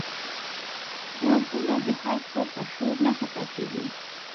غوږونه د حرفو په شور نه خطا کېږي